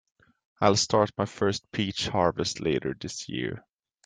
I'll start my first peach harvest later this year.